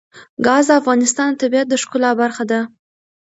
ګاز د افغانستان د طبیعت د ښکلا برخه ده.